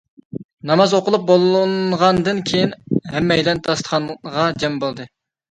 ناماز ئوقۇلۇپ بولۇنغاندىن كېيىن ھەممەيلەن داستىخانغا جەم بولدى.